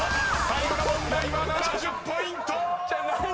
［最後の問題は７０ポイント！］